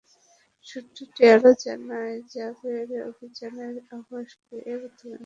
সূত্রটি আরও জানায়, র্যাবের অভিযানের আভাস পেয়ে প্রথমে মালিক ওবায়দুল্লাহ্ পালিয়ে যান।